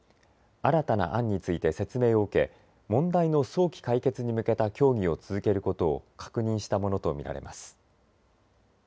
新たな案について説明を受け問題の早期解決に向けた協議を続けることを確認したものと見られます。